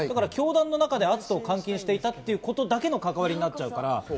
教団の中で篤斗を監禁していたというだけの関わりになっちゃうから。